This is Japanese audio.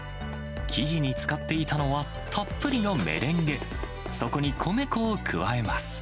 生地に使っていたのは、たっぷりのメレンゲ、そこに米粉を加えます。